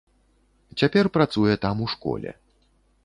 Цяпер працуе там у школе.